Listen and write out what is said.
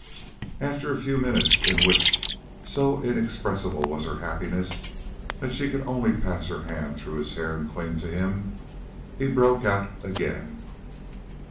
After a few minutes, in which, so inexpressible was her happiness that she could only pass her hand through his hair and cling to him, he broke out again.